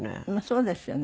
そうですよね。